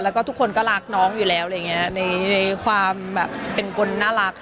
แล้วก็ทุกคนก็รักน้องอยู่แล้วอะไรอย่างนี้ในความแบบเป็นคนน่ารัก